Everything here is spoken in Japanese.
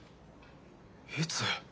いつ？